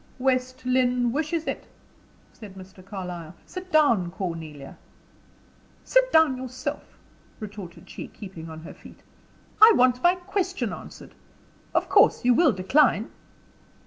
"West Lynne wishes it," said Mr. Carlyle. "Sit down, Cornelia." "Sit down yourself," retorted she, keeping on her feet. "I want my question answered. Of course you will decline?"